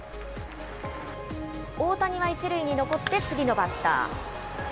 大谷は１塁に残って次のバッター。